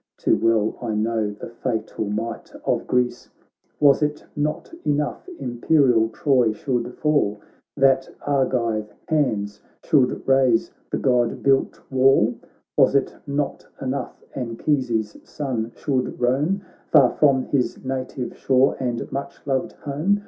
Too well I know the fatal might of Greece ; Was't not enough imperial Troy should fall. That Argive hands should raze the god built wall ? Was't not enough Anchises' son should roam Far from his native shore and much loved home